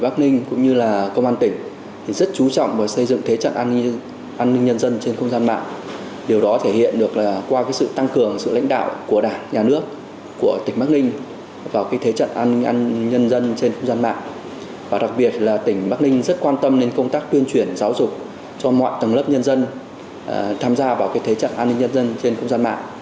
bác ninh rất quan tâm đến công tác tuyên truyền giáo dục cho mọi tầng lớp nhân dân tham gia vào cái thế trận an ninh nhân dân trên không gian mạng